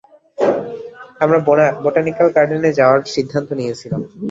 আমরা বোটানিক্যাল গার্ডেনে যাওয়ার সিদ্ধান্ত নিয়েছিলাম।